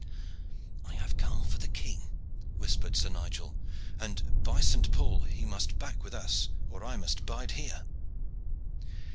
"I have come for the king," whispered Sir Nigel; "and, by Saint Paul! he must back with us or I must bide here."